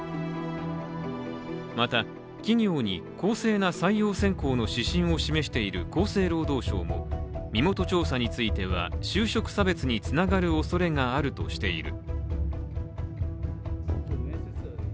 また、企業に公正な採用選考の指針を示している厚生労働省も身元調査については就職差別につながるおそれがあるとしている。